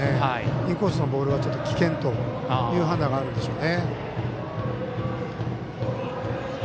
インコースのボールはちょっと危険という判断があるんでしょう。